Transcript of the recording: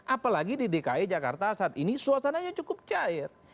apalagi di dki jakarta saat ini suasananya cukup cair